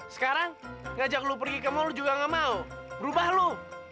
sekarang ngajak lu pergi ke mall juga gak mau berubah lo